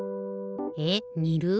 えっにる？